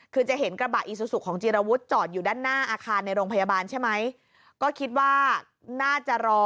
คือจะเห็นกระบะอีซูซูของจีรวุฒิจอดอยู่ด้านหน้าอาคารในโรงพยาบาลใช่ไหมก็คิดว่าน่าจะรอ